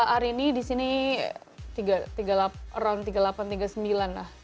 arini di sini round tiga puluh delapan tiga puluh sembilan lah